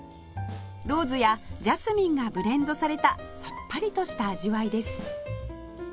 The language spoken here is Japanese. ローズやジャスミンがブレンドされたさっぱりとした味わいです